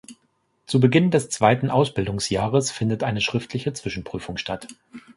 Zu Beginn des zweiten Ausbildungsjahres findet eine schriftliche Zwischenprüfung statt.